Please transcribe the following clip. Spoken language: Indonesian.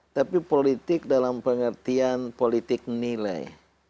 tapi politik dalam pengertian politik nilai